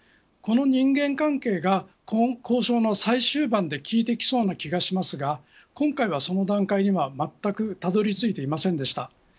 この人間関係が交渉の最終版で効いてきそうな気がしますが今回はその段階にはまったくたどり着いてませんでした。